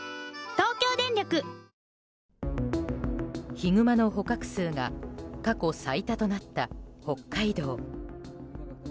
ヒグマの捕獲数が過去最多となった北海道。